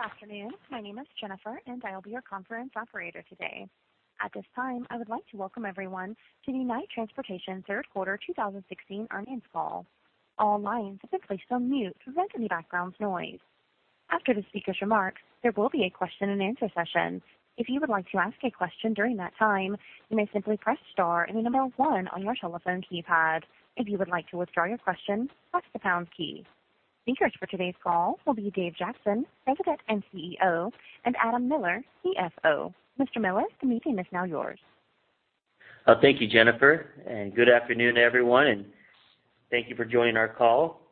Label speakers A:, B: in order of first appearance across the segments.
A: Good afternoon. My name is Jennifer, and I will be your conference operator today. At this time, I would like to welcome everyone to the Knight Transportation third quarter 2016 earnings call. All lines have been placed on mute to prevent any background noise. After the speaker's remarks, there will be a question-and-answer session. If you would like to ask a question during that time, you may simply press star and the number one on your telephone keypad. If you would like to withdraw your question, press the pound key. Speakers for today's call will be Dave Jackson, President and CEO, and Adam Miller, CFO. Mr. Miller, the meeting is now yours.
B: Thank you, Jennifer, and good afternoon, everyone, and thank you for joining our call.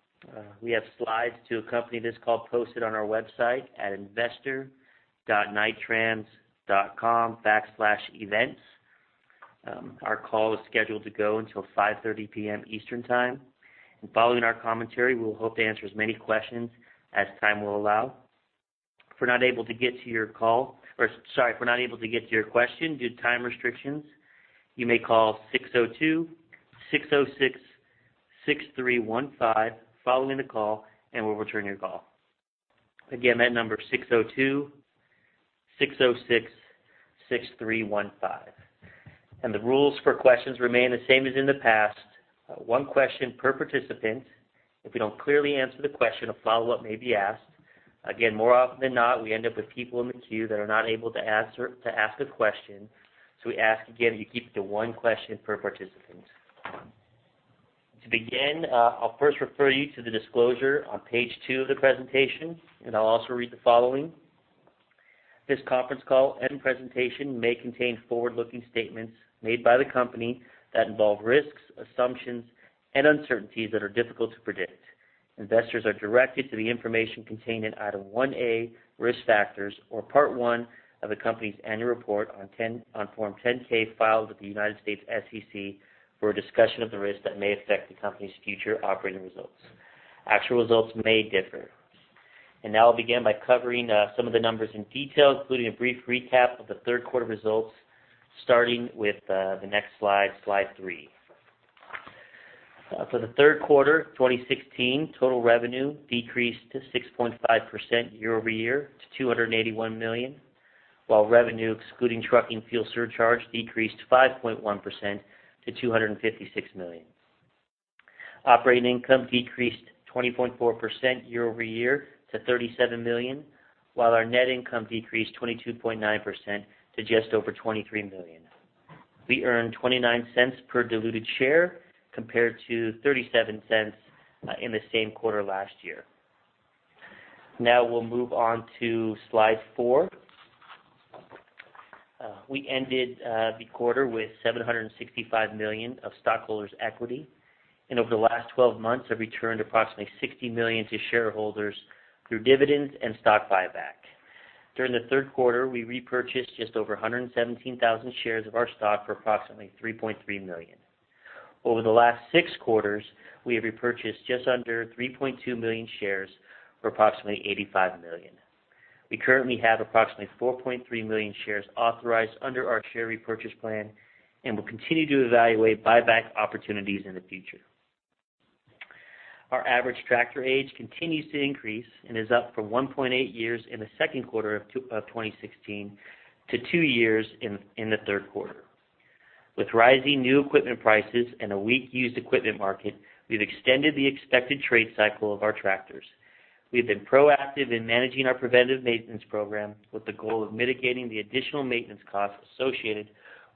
B: We have slides to accompany this call posted on our website at investor.knighttrans.com/events. Our call is scheduled to go until 5:30 P.M. Eastern Time, and following our commentary, we'll hope to answer as many questions as time will allow. If we're not able to get to your call or, sorry, if we're not able to get to your question due to time restrictions, you may call 602-606-6315 following the call, and we'll return your call. Again, that number is 602-606-6315. The rules for questions remain the same as in the past. One question per participant. If we don't clearly answer the question, a follow-up may be asked. Again, more often than not, we end up with people in the queue that are not able to ask a question, so we ask again that you keep it to one question per participant. To begin, I'll first refer you to the disclosure on page 2 of the presentation, and I'll also read the following. This conference call and presentation may contain forward-looking statements made by the company that involve risks, assumptions, and uncertainties that are difficult to predict. Investors are directed to the information contained in Item 1A, Risk Factors, or Part I of the company's Annual Report on 10, on Form 10-K filed with the United States SEC for a discussion of the risks that may affect the company's future operating results. Actual results may differ. Now I'll begin by covering some of the numbers in detail, including a brief recap of the third quarter results, starting with the next slide, slide 3. For the third quarter of 2016, total revenue decreased 6.5% year-over-year to $281 million, while revenue excluding trucking fuel surcharge decreased 5.1% to $256 million. Operating income decreased 20.4% year-over-year to $37 million, while our net income decreased 22.9% to just over $23 million. We earned $0.29 per diluted share, compared to $0.37 in the same quarter last year. Now we'll move on to slide 4. We ended the quarter with $765 million of stockholders' equity, and over the last 12 months, have returned approximately $60 million to shareholders through dividends and stock buyback. During the third quarter, we repurchased just over 117,000 shares of our stock for approximately $3.3 million. Over the last six quarters, we have repurchased just under 3.2 million shares for approximately $85 million. We currently have approximately 4.3 million shares authorized under our share repurchase plan and will continue to evaluate buyback opportunities in the future. Our average tractor age continues to increase and is up from 1.8 years in the second quarter of 2016 to two years in the third quarter. With rising new equipment prices and a weak used equipment market, we've extended the expected trade cycle of our tractors. We've been proactive in managing our preventive maintenance program with the goal of mitigating the additional maintenance costs associated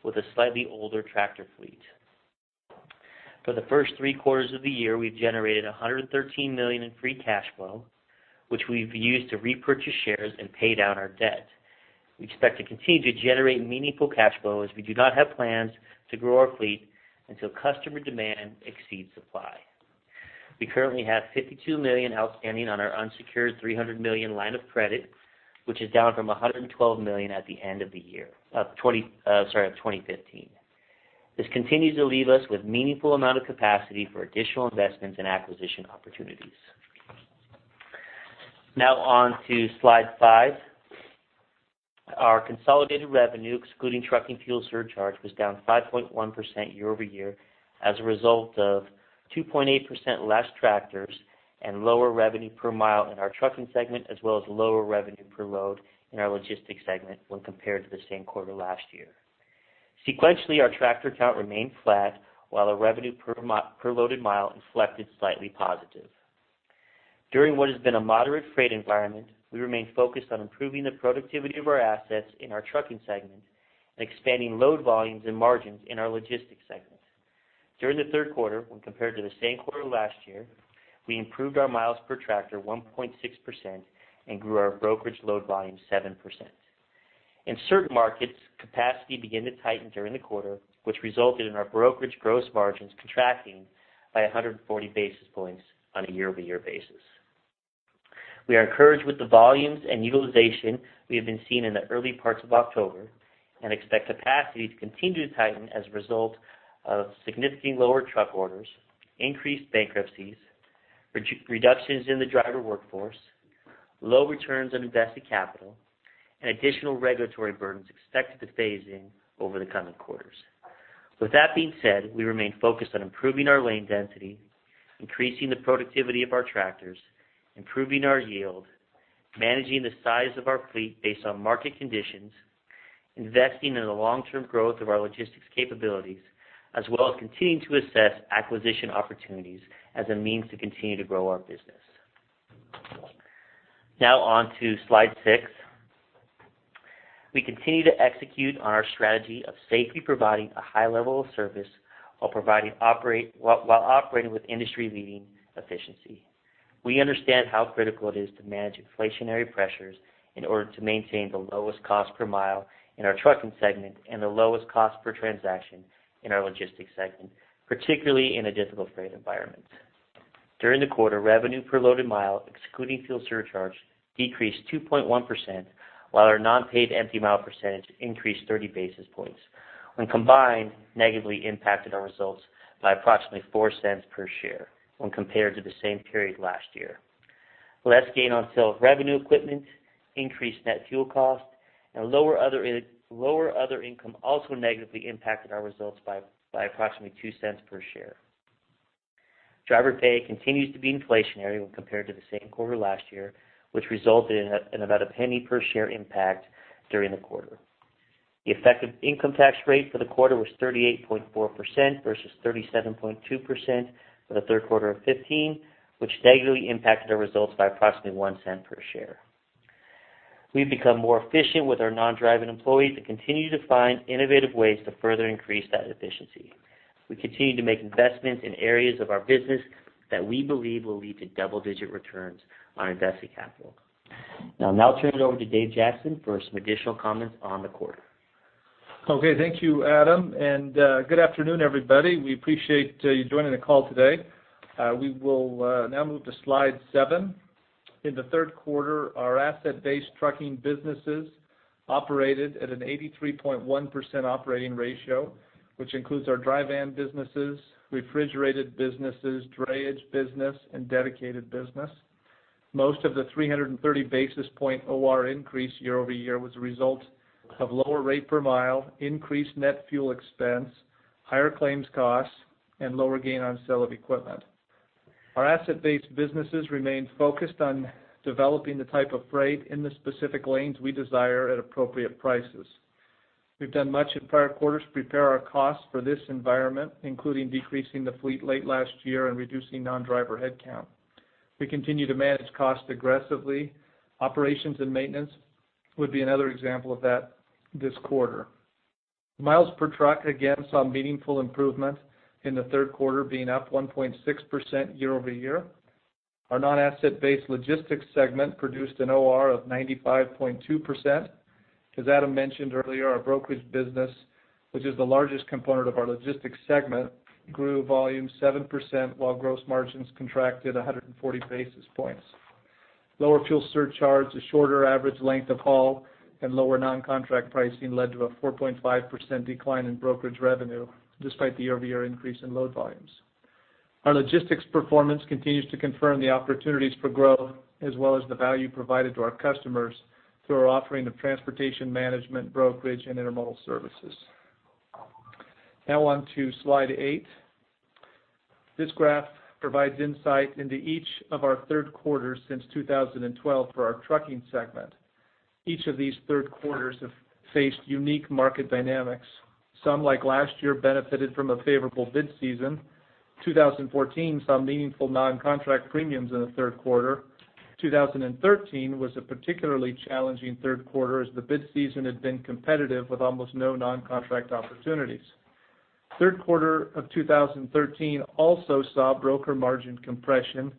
B: with a slightly older tractor fleet. For the first three quarters of the year, we've generated $113 million in free cash flow, which we've used to repurchase shares and pay down our debt. We expect to continue to generate meaningful cash flow, as we do not have plans to grow our fleet until customer demand exceeds supply. We currently have $52 million outstanding on our unsecured $300 million line of credit, which is down from $112 million at the end of the year of 2015. This continues to leave us with meaningful amount of capacity for additional investments and acquisition opportunities. Now on to slide 5. Our consolidated revenue, excluding trucking fuel surcharge, was down 5.1% year-over-year as a result of 2.8% less tractors and lower revenue per mile in our trucking segment, as well as lower revenue per load in our logistics segment when compared to the same quarter last year. Sequentially, our tractor count remained flat, while our revenue per loaded mile inflected slightly positive. During what has been a moderate freight environment, we remain focused on improving the productivity of our assets in our trucking segment and expanding load volumes and margins in our logistics segment. During the third quarter, when compared to the same quarter last year, we improved our miles per tractor 1.6% and grew our brokerage load volume 7%. In certain markets, capacity began to tighten during the quarter, which resulted in our brokerage gross margins contracting by 140 basis points on a year-over-year basis. We are encouraged with the volumes and utilization we have been seeing in the early parts of October and expect capacity to continue to tighten as a result of significantly lower truck orders, increased bankruptcies, reductions in the driver workforce, low returns on invested capital, and additional regulatory burdens expected to phase in over the coming quarters. With that being said, we remain focused on improving our lane density, increasing the productivity of our tractors, improving our yield, managing the size of our fleet based on market conditions, investing in the long-term growth of our logistics capabilities, as well as continuing to assess acquisition opportunities as a means to continue to grow our business. Now on to slide six. We continue to execute on our strategy of safely providing a high level of service while operating with industry-leading efficiency. We understand how critical it is to manage inflationary pressures in order to maintain the lowest cost per mile in our trucking segment and the lowest cost per transaction in our logistics segment, particularly in a difficult freight environment. During the quarter, revenue per loaded mile, excluding fuel surcharge, decreased 2.1%, while our non-paid empty mile percentage increased 30 basis points, when combined, negatively impacted our results by approximately $0.04 per share when compared to the same period last year. Less gain on sale of revenue equipment, increased net fuel cost, and lower other income also negatively impacted our results by approximately $0.02 per share. Driver pay continues to be inflationary when compared to the same quarter last year, which resulted in about $0.01 per share impact during the quarter. The effective income tax rate for the quarter was 38.4% versus 37.2% for the third quarter of 2015, which negatively impacted our results by approximately $0.01 per share. We've become more efficient with our non-driving employees and continue to find innovative ways to further increase that efficiency. We continue to make investments in areas of our business that we believe will lead to double-digit returns on invested capital. Now I'll turn it over to Dave Jackson for some additional comments on the quarter.
C: Okay, thank you, Adam, and good afternoon, everybody. We appreciate you joining the call today. We will now move to slide 7. In the third quarter, our asset-based trucking businesses operated at an 83.1% operating ratio, which includes our dry van businesses, refrigerated businesses, drayage business, and dedicated business. Most of the 330 basis point OR increase year-over-year was a result of lower rate per mile, increased net fuel expense, higher claims costs, and lower gain on sale of equipment. Our asset-based businesses remain focused on developing the type of freight in the specific lanes we desire at appropriate prices. We've done much in prior quarters to prepare our costs for this environment, including decreasing the fleet late last year and reducing non-driver headcount. We continue to manage costs aggressively. Operations and maintenance would be another example of that this quarter. Miles per truck, again, saw meaningful improvement in the third quarter, being up 1.6% year over year. Our non-asset-based logistics segment produced an OR of 95.2%. As Adam mentioned earlier, our brokerage business, which is the largest component of our logistics segment, grew volume 7%, while gross margins contracted 140 basis points. Lower fuel surcharges, a shorter average length of haul, and lower non-contract pricing led to a 4.5% decline in brokerage revenue, despite the year-over-year increase in load volumes. Our logistics performance continues to confirm the opportunities for growth, as well as the value provided to our customers through our offering of transportation management, brokerage, and intermodal services. Now on to slide 8. This graph provides insight into each of our third quarters since 2012 for our trucking segment. Each of these third quarters have faced unique market dynamics. Some, like last year, benefited from a favorable bid season. 2014 saw meaningful non-contract premiums in the third quarter. 2013 was a particularly challenging third quarter, as the bid season had been competitive with almost no non-contract opportunities. Third quarter of 2013 also saw broker margin compression,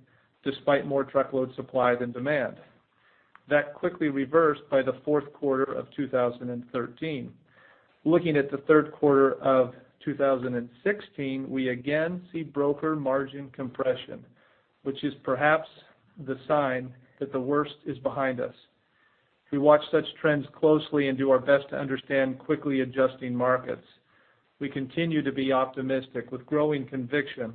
C: despite more truckload supply than demand. That quickly reversed by the fourth quarter of 2013. Looking at the third quarter of 2016, we again see broker margin compression, which is perhaps the sign that the worst is behind us. We watch such trends closely and do our best to understand quickly adjusting markets. We continue to be optimistic, with growing conviction,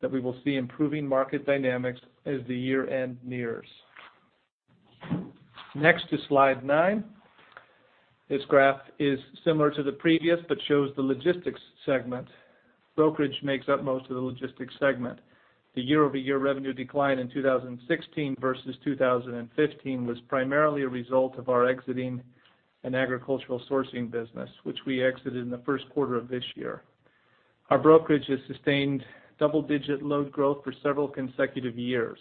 C: that we will see improving market dynamics as the year-end nears. Next to slide 9. This graph is similar to the previous, but shows the logistics segment. Brokerage makes up most of the logistics segment. The year-over-year revenue decline in 2016 versus 2015 was primarily a result of our exiting an agricultural sourcing business, which we exited in the first quarter of this year. Our brokerage has sustained double-digit load growth for several consecutive years.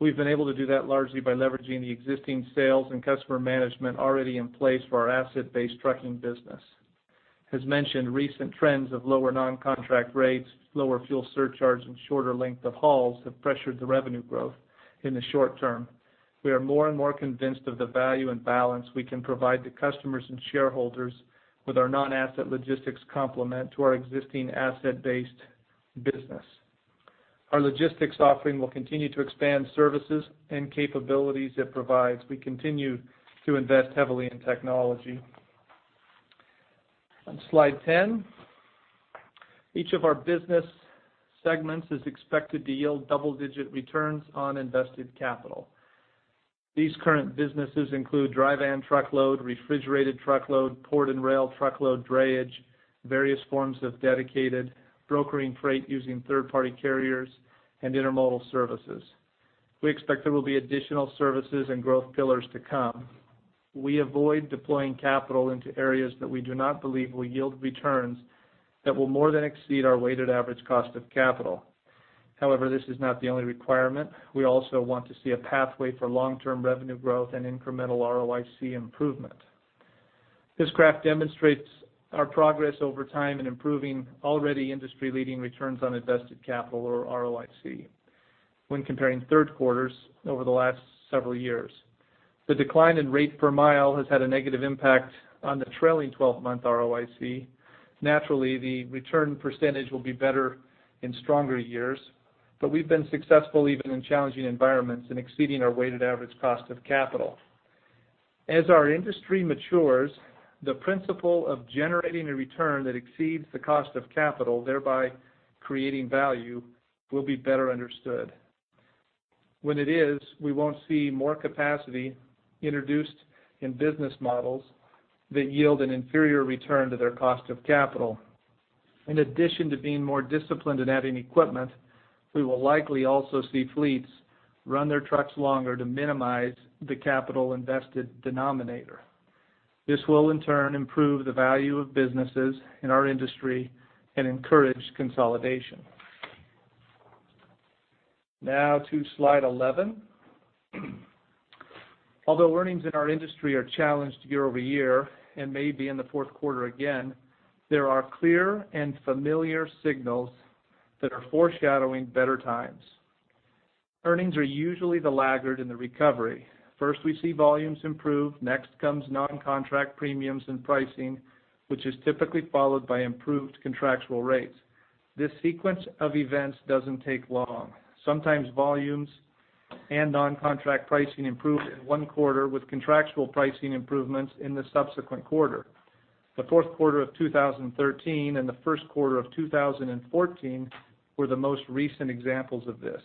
C: We've been able to do that largely by leveraging the existing sales and customer management already in place for our asset-based trucking business. As mentioned, recent trends of lower non-contract rates, lower fuel surcharges, and shorter length of hauls have pressured the revenue growth in the short term. We are more and more convinced of the value and balance we can provide to customers and shareholders with our non-asset logistics complement to our existing asset-based business. Our logistics offering will continue to expand services and capabilities it provides. We continue to invest heavily in technology. On slide 10, each of our business segments is expected to yield double-digit returns on invested capital. These current businesses include dry van truckload, refrigerated truckload, port and rail truckload, drayage, various forms of dedicated brokering freight using third-party carriers, and intermodal services. We expect there will be additional services and growth pillars to come. We avoid deploying capital into areas that we do not believe will yield returns that will more than exceed our weighted average cost of capital. However, this is not the only requirement. We also want to see a pathway for long-term revenue growth and incremental ROIC improvement. This graph demonstrates our progress over time in improving already industry-leading returns on invested capital, or ROIC, when comparing third quarters over the last several years. The decline in rate per mile has had a negative impact on the trailing twelve-month ROIC. Naturally, the return percentage will be better in stronger years, but we've been successful, even in challenging environments, in exceeding our weighted average cost of capital. As our industry matures, the principle of generating a return that exceeds the cost of capital, thereby creating value, will be better understood. When it is, we won't see more capacity introduced in business models that yield an inferior return to their cost of capital. In addition to being more disciplined in adding equipment, we will likely also see fleets run their trucks longer to minimize the capital invested denominator. This will, in turn, improve the value of businesses in our industry and encourage consolidation. Now to Slide 11. Although earnings in our industry are challenged year-over-year, and may be in the fourth quarter again, there are clear and familiar signals that are foreshadowing better times. Earnings are usually the laggard in the recovery. First, we see volumes improve, next comes non-contract premiums and pricing, which is typically followed by improved contractual rates. This sequence of events doesn't take long. Sometimes, volumes and non-contract pricing improve in one quarter, with contractual pricing improvements in the subsequent quarter. The fourth quarter of 2013 and the first quarter of 2014 were the most recent examples of this.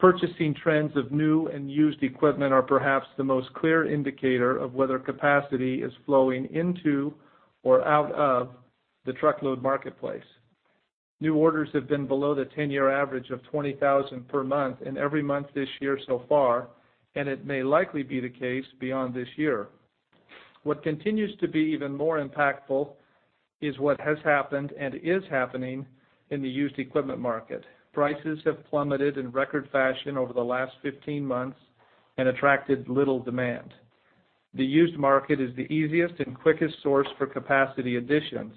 C: Purchasing trends of new and used equipment are perhaps the most clear indicator of whether capacity is flowing into or out of the truckload marketplace. New orders have been below the 10-year average of 20,000 per month in every month this year so far, and it may likely be the case beyond this year. What continues to be even more impactful is what has happened and is happening in the used equipment market. Prices have plummeted in record fashion over the last 15 months and attracted little demand. The used market is the easiest and quickest source for capacity additions.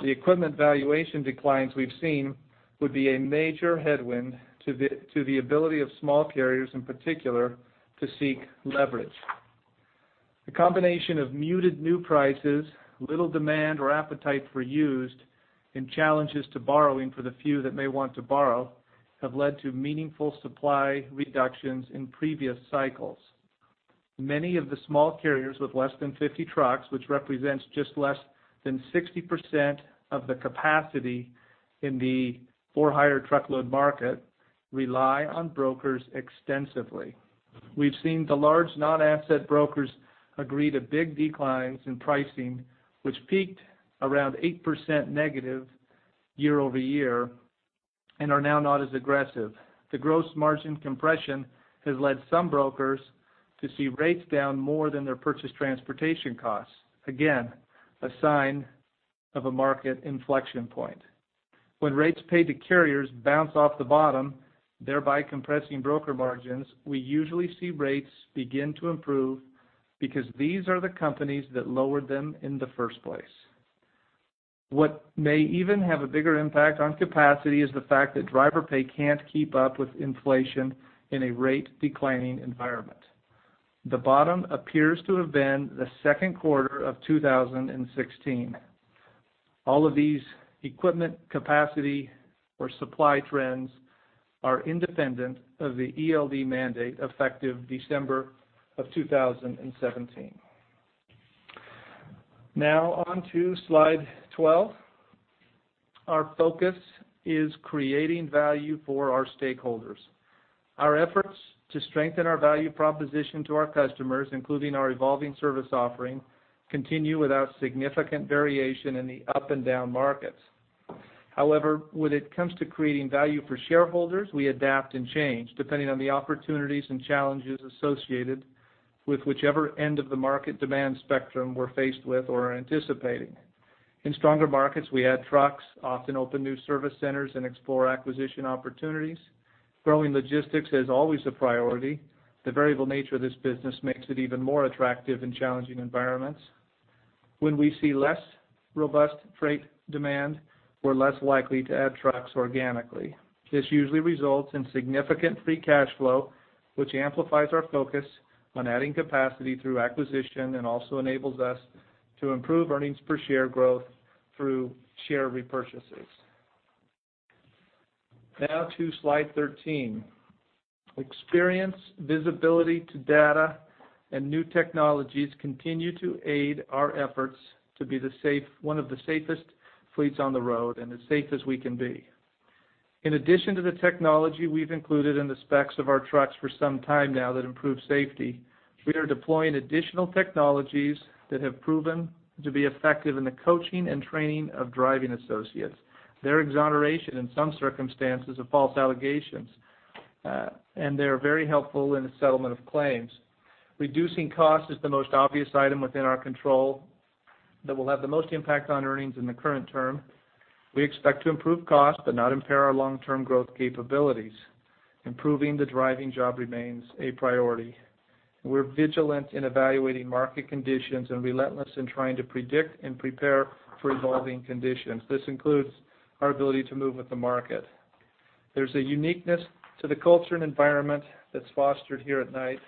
C: The equipment valuation declines we've seen would be a major headwind to the ability of small carriers, in particular, to seek leverage. The combination of muted new prices, little demand or appetite for used, and challenges to borrowing for the few that may want to borrow, have led to meaningful supply reductions in previous cycles. Many of the small carriers with less than 50 trucks, which represents just less than 60% of the capacity in the for-hire truckload market, rely on brokers extensively. We've seen the large non-asset brokers agree to big declines in pricing, which peaked around 8% negative year-over-year, and are now not as aggressive. The gross margin compression has led some brokers to see rates down more than their purchased transportation costs. Again, a sign of a market inflection point. When rates paid to carriers bounce off the bottom, thereby compressing broker margins, we usually see rates begin to improve because these are the companies that lowered them in the first place. What may even have a bigger impact on capacity is the fact that driver pay can't keep up with inflation in a rate-declining environment. The bottom appears to have been the second quarter of 2016. All of these equipment, capacity, or supply trends are independent of the ELD mandate, effective December of 2017. Now on to Slide 12. Our focus is creating value for our stakeholders. Our efforts to strengthen our value proposition to our customers, including our evolving service offering, continue without significant variation in the up and down markets. However, when it comes to creating value for shareholders, we adapt and change, depending on the opportunities and challenges associated with whichever end of the market demand spectrum we're faced with or are anticipating. In stronger markets, we add trucks, often open new service centers, and explore acquisition opportunities. Growing logistics is always a priority. The variable nature of this business makes it even more attractive in challenging environments. When we see less robust freight demand, we're less likely to add trucks organically. This usually results in significant free cash flow, which amplifies our focus on adding capacity through acquisition, and also enables us to improve earnings per share growth through share repurchases. Now to Slide 13. Experience, visibility to data, and new technologies continue to aid our efforts to be the safe -- one of the safest fleets on the road, and as safe as we can be.... In addition to the technology we've included in the specs of our trucks for some time now that improve safety, we are deploying additional technologies that have proven to be effective in the coaching and training of driving associates. They're exoneration in some circumstances of false allegations, and they are very helpful in the settlement of claims. Reducing costs is the most obvious item within our control that will have the most impact on earnings in the current term. We expect to improve costs, but not impair our long-term growth capabilities. Improving the driving job remains a priority. We're vigilant in evaluating market conditions and relentless in trying to predict and prepare for evolving conditions. This includes our ability to move with the market. There's a uniqueness to the culture and environment that's fostered here at Knight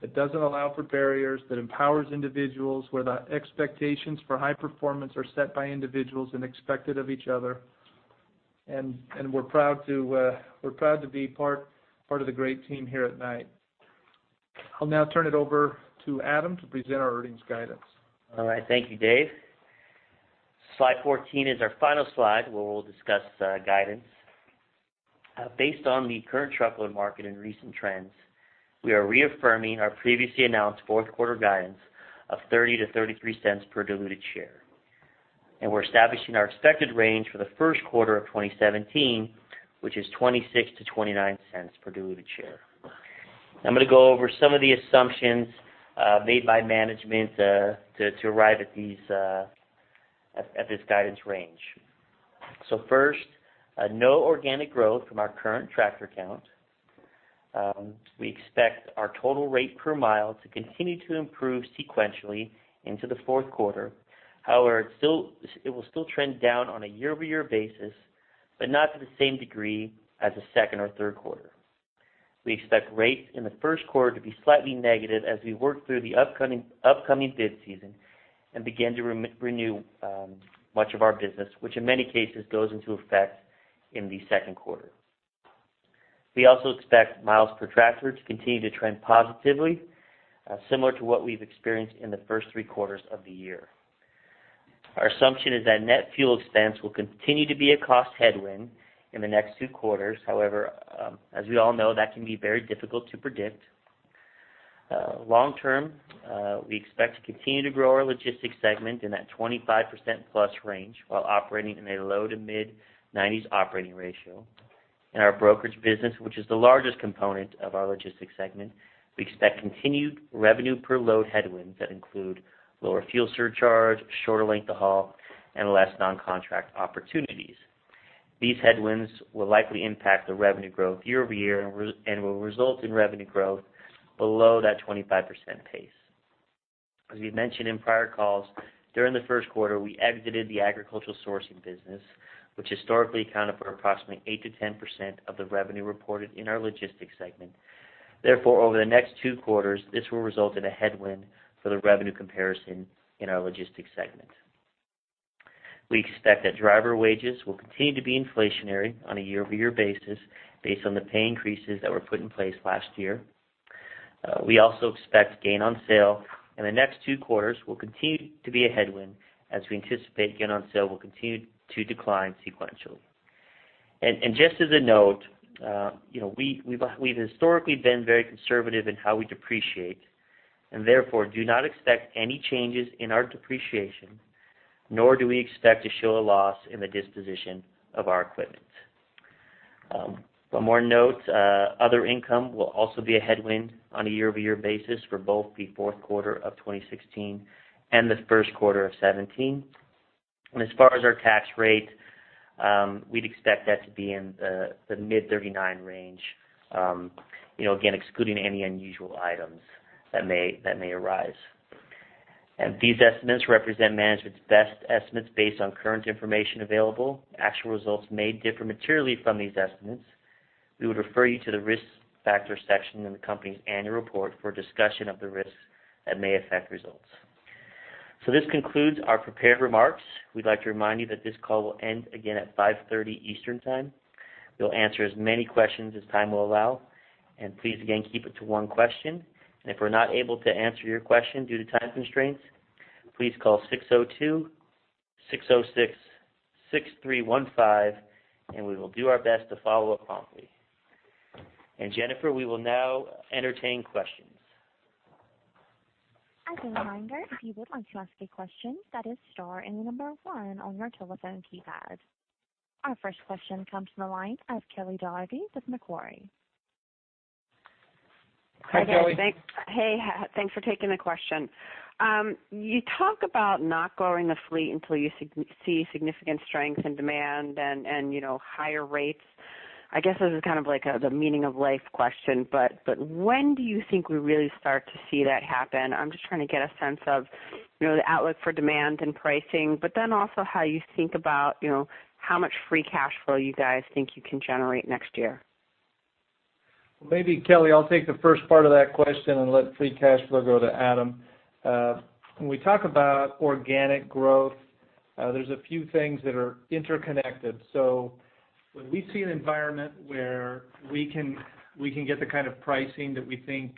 C: that doesn't allow for barriers, that empowers individuals, where the expectations for high performance are set by individuals and expected of each other. And we're proud to be part of the great team here at Knight. I'll now turn it over to Adam to present our earnings guidance.
B: All right. Thank you, Dave. Slide 14 is our final slide, where we'll discuss guidance. Based on the current truckload market and recent trends, we are reaffirming our previously announced fourth quarter guidance of $0.30-$0.33 per diluted share. We're establishing our expected range for the first quarter of 2017, which is $0.26-$0.29 per diluted share. I'm going to go over some of the assumptions made by management to arrive at these at this guidance range. So first, no organic growth from our current tractor count. We expect our total rate per mile to continue to improve sequentially into the fourth quarter. However, it will still trend down on a year-over-year basis, but not to the same degree as the second or third quarter. We expect rates in the first quarter to be slightly negative as we work through the upcoming bid season and begin to renew much of our business, which in many cases, goes into effect in the second quarter. We also expect miles per tractor to continue to trend positively, similar to what we've experienced in the first three quarters of the year. Our assumption is that net fuel expense will continue to be a cost headwind in the next two quarters. However, as we all know, that can be very difficult to predict. Long term, we expect to continue to grow our logistics segment in that 25%+ range while operating in a low- to mid-90s operating ratio. In our brokerage business, which is the largest component of our logistics segment, we expect continued revenue per load headwinds that include lower fuel surcharge, shorter length of haul, and less non-contract opportunities. These headwinds will likely impact the revenue growth year-over-year and will result in revenue growth below that 25% pace. As we've mentioned in prior calls, during the first quarter, we exited the agricultural sourcing business, which historically accounted for approximately 8%-10% of the revenue reported in our logistics segment. Therefore, over the next two quarters, this will result in a headwind for the revenue comparison in our logistics segment. We expect that driver wages will continue to be inflationary on a year-over-year basis, based on the pay increases that were put in place last year. We also expect gain on sale in the next two quarters will continue to be a headwind, as we anticipate gain on sale will continue to decline sequentially. And, and just as a note, you know, we, we've, we've historically been very conservative in how we depreciate, and therefore, do not expect any changes in our depreciation, nor do we expect to show a loss in the disposition of our equipment. One more note, other income will also be a headwind on a year-over-year basis for both the fourth quarter of 2016 and the first quarter of 2017. And as far as our tax rate, we'd expect that to be in the mid-39% range, you know, again, excluding any unusual items that may, that may arise. And these estimates represent management's best estimates based on current information available. Actual results may differ materially from these estimates. We would refer you to the risk factors section in the company's annual report for a discussion of the risks that may affect results. This concludes our prepared remarks. We'd like to remind you that this call will end again at 5:30 Eastern Time. We'll answer as many questions as time will allow, and please again, keep it to one question. If we're not able to answer your question due to time constraints, please call 602-606-6315, and we will do our best to follow up promptly. Jennifer, we will now entertain questions.
A: As a reminder, if you would like to ask a question, that is star and one on your telephone keypad. Our first question comes from the line of Kelly Dougherty with Macquarie.
B: Hi, Kelly.
D: Hi there. Hey, thanks for taking the question. You talk about not growing the fleet until you see significant strength and demand and, you know, higher rates. I guess, this is kind of like, the meaning of life question, but when do you think we really start to see that happen? I'm just trying to get a sense of, you know, the outlook for demand and pricing, but then also how you think about, you know, how much free cash flow you guys think you can generate next year.
C: Maybe, Kelly, I'll take the first part of that question and let free cash flow go to Adam. When we talk about organic growth, there's a few things that are interconnected. So when we see an environment where we can get the kind of pricing that we think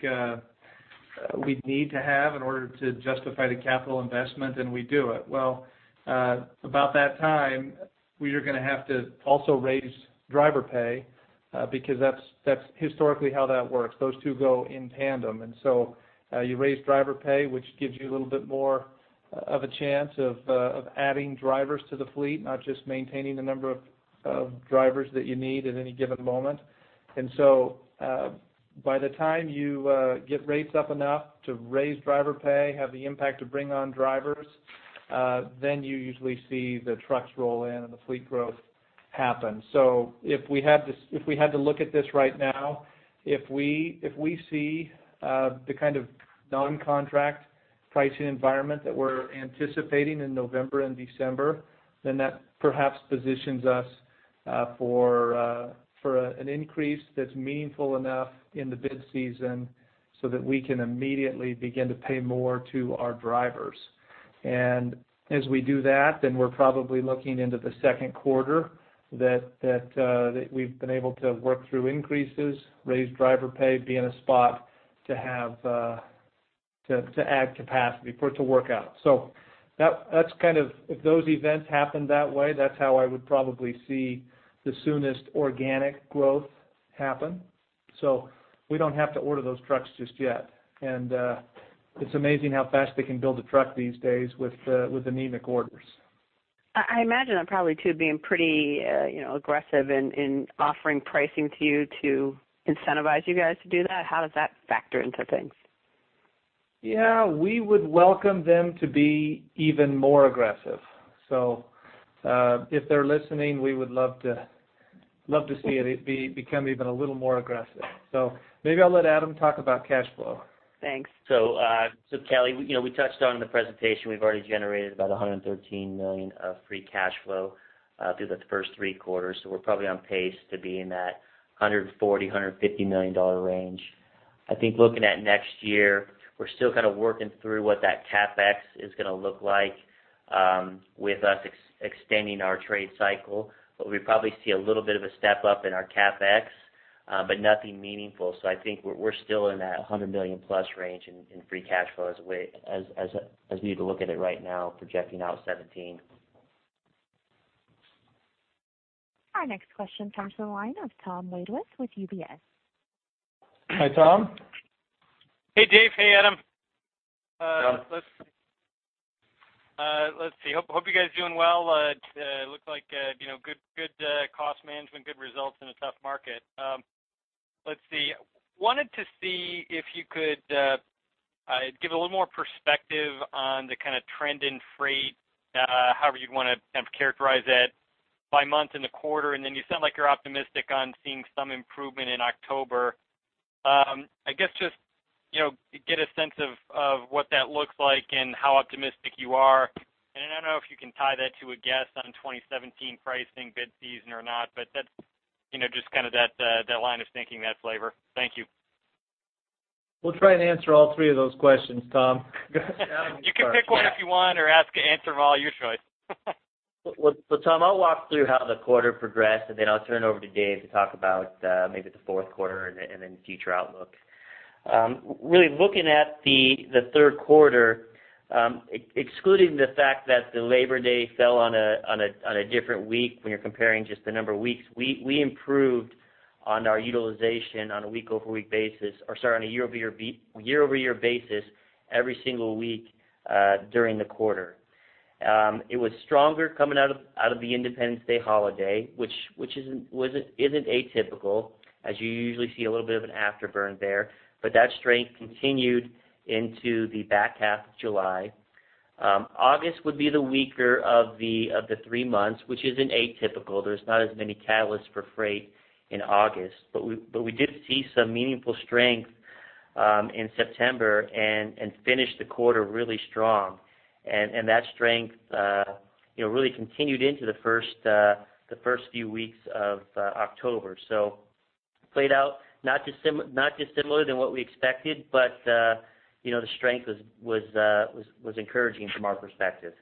C: we need to have in order to justify the capital investment, and we do it. Well, about that time, we are going to have to also raise driver pay, because that's historically how that works. Those two go in tandem. And so, you raise driver pay, which gives you a little bit more of a chance of adding drivers to the fleet, not just maintaining the number of drivers that you need at any given moment. And so, by the time you get rates up enough to raise driver pay, have the impact to bring on drivers, then you usually see the trucks roll in and the fleet growth happen. So if we had to look at this right now, if we see the kind of non-contract pricing environment that we're anticipating in November and December, then that perhaps positions us for an increase that's meaningful enough in the bid season so that we can immediately begin to pay more to our drivers. And as we do that, then we're probably looking into the second quarter that we've been able to work through increases, raise driver pay, be in a spot to have to add capacity for it to work out. So that's kind of... If those events happen that way, that's how I would probably see the soonest organic growth happen. So we don't have to order those trucks just yet. And, it's amazing how fast they can build a truck these days with anemic orders.
D: I imagine they're probably, too, being pretty, you know, aggressive in offering pricing to you to incentivize you guys to do that. How does that factor into things?
C: Yeah, we would welcome them to be even more aggressive. So, if they're listening, we would love to see it become even a little more aggressive. So maybe I'll let Adam talk about cash flow.
D: Thanks.
B: So, so Kelly, you know, we touched on in the presentation, we've already generated about $113 million of free cash flow through the first three quarters. So we're probably on pace to be in that $140 million-$150 million range. I think looking at next year, we're still kind of working through what that CapEx is going to look like, with us extending our trade cycle. But we probably see a little bit of a step up in our CapEx, but nothing meaningful. So I think we're, we're still in that $100 million+ range in, in free cash flow as we, as we look at it right now, projecting out 2017.
A: Our next question comes from the line of Tom Wadewitz with UBS.
C: Hi, Tom.
E: Hey, Dave. Hey, Adam.
C: Tom.
E: Let's see. Hope you guys are doing well. Looks like you know good cost management, good results in a tough market. Let's see. Wanted to see if you could give a little more perspective on the kind of trend in freight, however you'd want to kind of characterize it, by month in the quarter, and then you sound like you're optimistic on seeing some improvement in October. I guess just you know get a sense of what that looks like and how optimistic you are. And I don't know if you can tie that to a guess on 2017 pricing bid season or not, but that's you know just kind of that that line of thinking, that flavor. Thank you.
C: We'll try and answer all three of those questions, Tom.
E: You can pick one if you want or ask, answer them all, your choice.
B: Well, so Tom, I'll walk through how the quarter progressed, and then I'll turn it over to Dave to talk about maybe the fourth quarter and then the future outlook. Really looking at the third quarter, excluding the fact that the Labor Day fell on a different week, when you're comparing just the number of weeks, we improved on our utilization on a year-over-year basis every single week during the quarter. It was stronger coming out of the Independence Day holiday, which isn't atypical, as you usually see a little bit of an afterburn there. But that strength continued into the back half of July. August would be the weaker of the three months, which isn't atypical. There's not as many catalysts for freight in August. But we did see some meaningful strength in September and finished the quarter really strong. And that strength, you know, really continued into the first few weeks of October. So played out not dissimilar than what we expected, but, you know, the strength was encouraging from our perspective.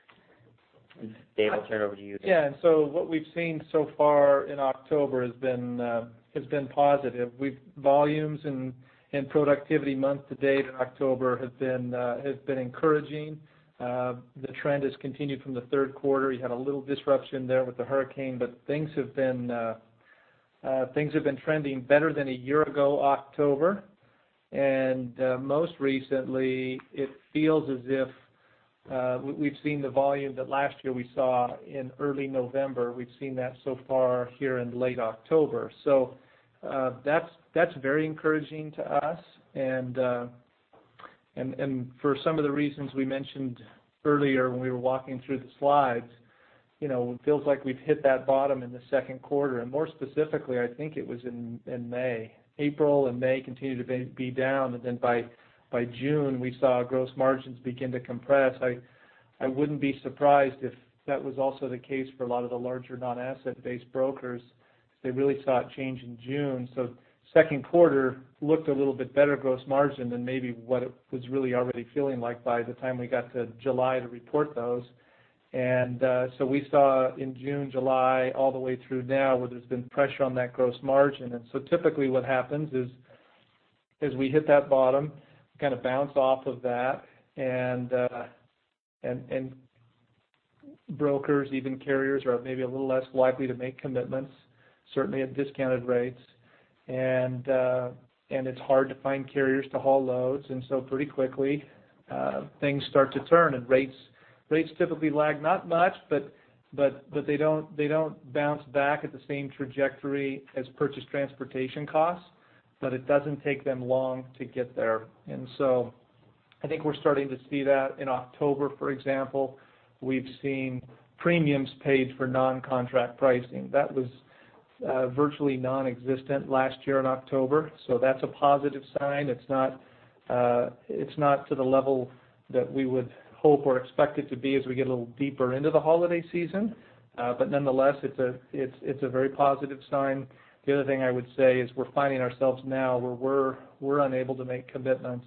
B: Dave, I'll turn it over to you.
C: Yeah, and so what we've seen so far in October has been positive. Volumes and productivity month to date in October have been encouraging. The trend has continued from the third quarter. You had a little disruption there with the hurricane, but things have been trending better than a year ago, October. And for some of the reasons we mentioned earlier when we were walking through the slides, you know, it feels like we've hit that bottom in the second quarter. And more specifically, I think it was in May. April and May continued to be down, and then by June, we saw gross margins begin to compress. I wouldn't be surprised if that was also the case for a lot of the larger non-asset-based brokers. They really saw a change in June. So second quarter looked a little bit better gross margin than maybe what it was really already feeling like by the time we got to July to report those. And so we saw in June, July, all the way through now, where there's been pressure on that gross margin. And so typically what happens is, as we hit that bottom, kind of bounce off of that, and brokers, even carriers, are maybe a little less likely to make commitments, certainly at discounted rates. It's hard to find carriers to haul loads, and so pretty quickly, things start to turn, and rates typically lag, not much, but they don't bounce back at the same trajectory as purchased transportation costs, but it doesn't take them long to get there. And so I think we're starting to see that in October, for example. We've seen premiums paid for non-contract pricing. That was virtually nonexistent last year in October, so that's a positive sign. It's not to the level that we would hope or expect it to be as we get a little deeper into the holiday season, but nonetheless, it's a very positive sign. The other thing I would say is we're finding ourselves now where we're unable to make commitments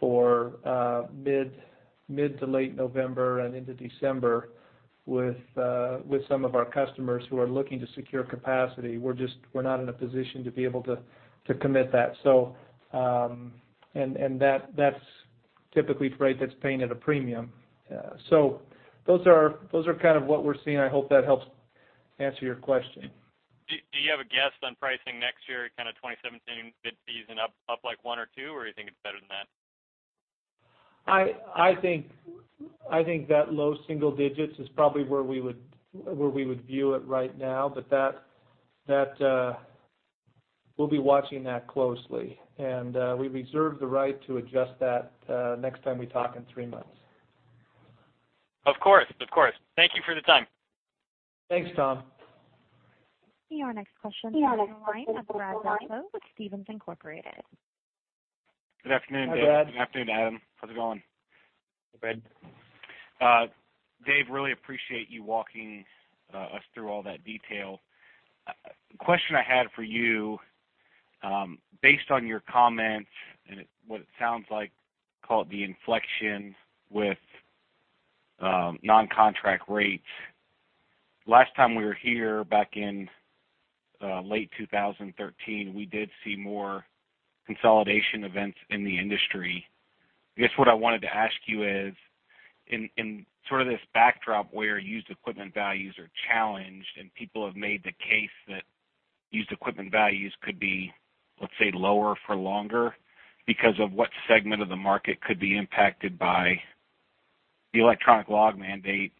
C: for mid to late November and into December with some of our customers who are looking to secure capacity. We're not in a position to be able to commit that. So, and that, that's typically freight that's paying at a premium. So those are kind of what we're seeing. I hope that helps answer your question.
E: Do you have a guess on pricing next year, kind of 2017 mid-season, up like one or two, or you think it's better than that?
C: I think that low single digits is probably where we would view it right now, but that we'll be watching that closely. We reserve the right to adjust that next time we talk in three months.
E: Of course, of course. Thank you for the time.
C: Thanks, Tom.
A: Your next question comes from the line of Brad Delco with Stephens Inc.
F: Good afternoon, Dave.
C: Hi, Brad.
F: Good afternoon, Adam. How's it going?
B: Good.
F: Dave, really appreciate you walking us through all that detail. Question I had for you, based on your comments and what it sounds like, call it the inflection with non-contract rates. Last time we were here, back in late 2013, we did see more consolidation events in the industry. I guess what I wanted to ask you is, in sort of this backdrop where used equipment values are challenged and people have made the case that used equipment values could be, let's say, lower for longer because of what segment of the market could be impacted by the electronic log mandate,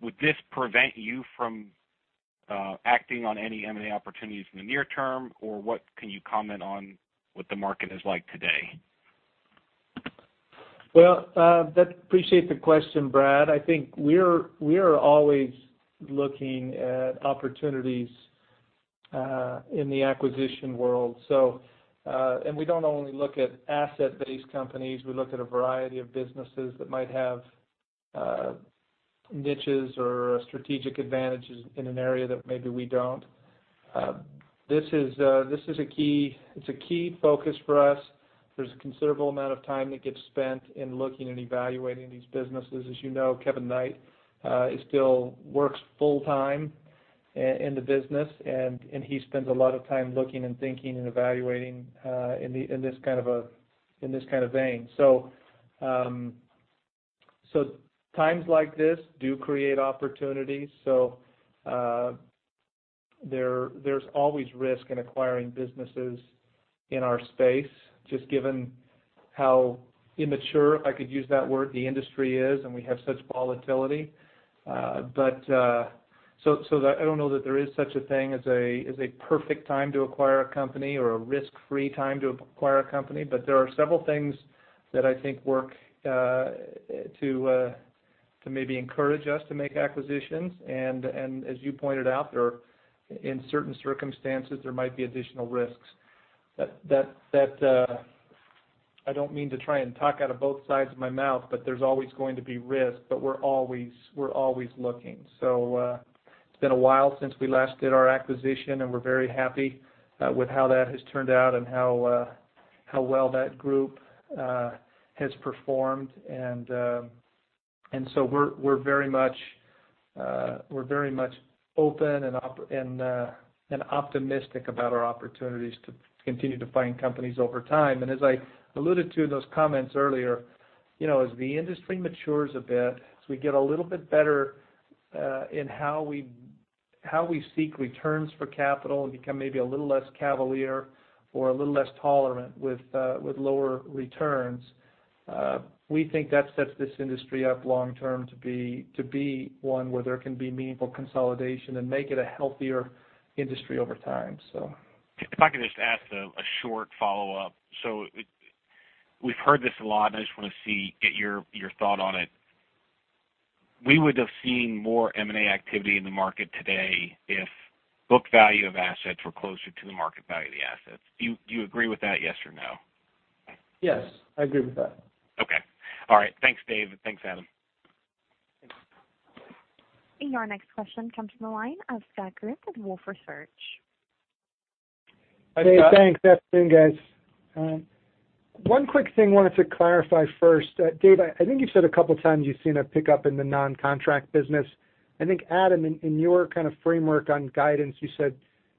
F: would this prevent you from acting on any M&A opportunities in the near term, or what can you comment on what the market is like today?
C: Well, appreciate the question, Brad. I think we're, we are always looking at opportunities in the acquisition world. So, and we don't only look at asset-based companies, we look at a variety of businesses that might have niches or strategic advantages in an area that maybe we don't. This is a key, it's a key focus for us. There's a considerable amount of time that gets spent in looking and evaluating these businesses. As you know, Kevin Knight still works full-time in the business, and he spends a lot of time looking and thinking and evaluating in this kind of vein. So, times like this do create opportunities. So, there's always risk in acquiring businesses in our space, just given how immature, if I could use that word, the industry is, and we have such volatility. But so I don't know that there is such a thing as a perfect time to acquire a company or a risk-free time to acquire a company, but there are several things that I think work to maybe encourage us to make acquisitions. And as you pointed out, there are, in certain circumstances, there might be additional risks. That I don't mean to try and talk out of both sides of my mouth, but there's always going to be risk, but we're always, we're always looking. So, it's been a while since we last did our acquisition, and we're very happy with how that has turned out and how how well that group has performed. And so we're, we're very much, we're very much open and and optimistic about our opportunities to continue to find companies over time. And as I alluded to in those comments earlier, you know, as the industry matures a bit, as we get a little bit better in how we, how we seek returns for capital and become maybe a little less cavalier or a little less tolerant with with lower returns, we think that sets this industry up long term to be, to be one where there can be meaningful consolidation and make it a healthier industry over time, so.
F: If I could just ask a short follow-up. So we've heard this a lot, and I just want to get your thought on it. We would have seen more M&A activity in the market today if book value of assets were closer to the market value of the assets. Do you agree with that, yes or no?
C: Yes, I agree with that.
F: Okay. All right. Thanks, Dave. Thanks, Adam.
A: Your next question comes from the line of Scott Group with Wolfe Research.
G: Hey, thanks. Afternoon, guys. One quick thing I wanted to clarify first. Dave, I think you've said a couple times you've seen a pickup in the non-contract business. I think, Adam, in your kind of framework on guidance, you said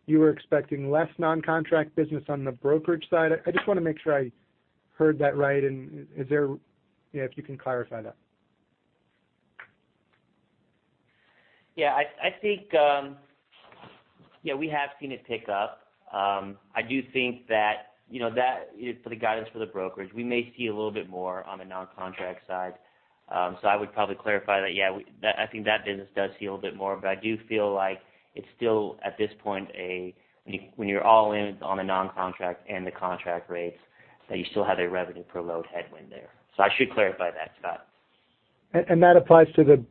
G: you were expecting less non-contract business on the brokerage side. I just want to make sure I heard that right, and is there, you know, if you can clarify that?
B: Yeah, I think, yeah, we have seen it pick up. I do think that, you know, that for the guidance for the brokerage, we may see a little bit more on the non-contract side. So I would probably clarify that, yeah, I think that business does see a little bit more, but I do feel like it's still, at this point, when you're all in on the non-contract and the contract rates, that you still have a revenue per load headwind there. So I should clarify that, Scott.
G: And that applies to the